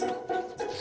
ya ya gak